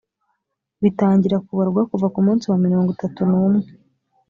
bitangira kubarwa kuva ku munsi wa mirongo itatu n’umwe